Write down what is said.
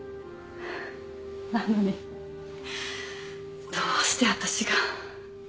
なのにどうして私が。